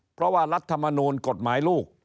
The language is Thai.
เพราะว่ารัฐมนูลกฎหมายลูก